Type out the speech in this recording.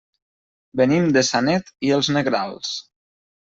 Venim de Sanet i els Negrals.